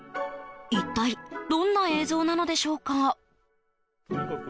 一体どんな映像なのでしょうか？